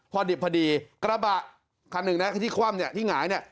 พอดิบพอดีกระบะคันหนึ่งนะที่คว่ำเนี่ยที่หงายเนี่ย